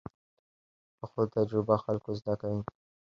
پخو تجربو خلک زده کوي